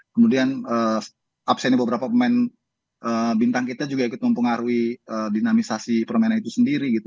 kemudian absennya beberapa pemain bintang kita juga ikut mempengaruhi dinamisasi permainan itu sendiri gitu